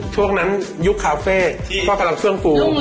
ช่วงนั้นยุคคาเฟ่ที่ก็ลงทรวงปู